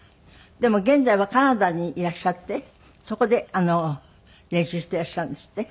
でも現在はカナダにいらっしゃってそこで練習していらっしゃるんですって？